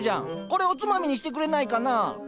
これおつまみにしてくれないかな。